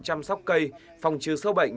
chăm sóc cây phòng trừ sâu bệnh